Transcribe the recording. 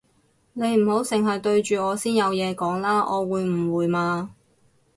你唔好剩係對住我先有嘢講啦，我會誤會嘛